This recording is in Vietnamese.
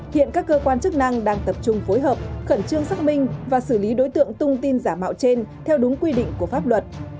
hiện các cơ quan chức năng đang tập trung phối hợp khẩn trương xác minh và xử lý đối tượng tung tin giả mạo trên theo đúng quy định của pháp luật